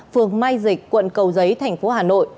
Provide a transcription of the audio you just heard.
phường mai dịch quận cầu giấy thành phố hà nội